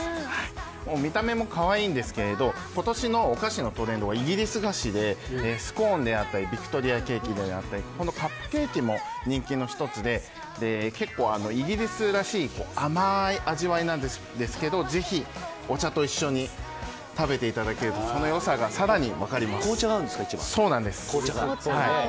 見た目も可愛いんですが今年のお菓子のトレンドはイギリス菓子でスコーンであったりビクトリアケーキであったりカップケーキも人気の１つでイギリスらしい甘い味わいなんですけどぜひお茶と一緒に食べていただけると紅茶なんですか、一番。